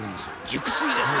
熟睡ですか。